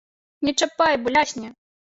Не чапай, бо лясне!